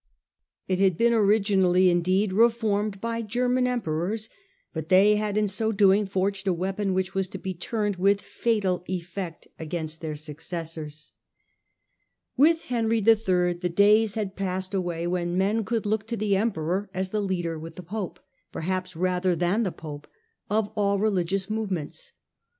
It had been originally, indeed, reformed by German emperors, but they had in so doing forged a weapon which was to be turned with fatal efiect against their successors. With Digitized by VjOOQIC 220 HiLDEBRAND Henry III. the days had passed away when men could look to the emperor as the leader with the pope — per haps rather than the pope — of all religious movements.